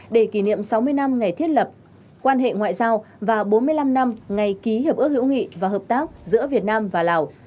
để kỷ niệm sáu mươi năm ngày thiết lập quan hệ ngoại giao và bốn mươi năm năm ngày ký hiệp ước hữu nghị và hợp tác giữa việt nam và lào